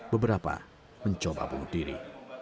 beberapa mencoba bunuh diri